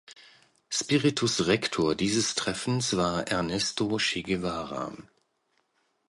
Spiritus rector dieses Treffens war Ernesto Che Guevara.